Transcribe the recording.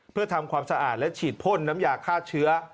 เพื่อทำความสะอาดและฉีดพ่นน้ำยาฆ่าเชื้อ